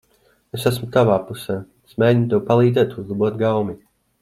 Es esmu tavā pusē. Es mēģinu tev palīdzēt uzlabot gaumi.